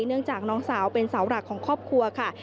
เนื่องจากน้องสาวเป็นเสาหลักของครอบครัวค่ะ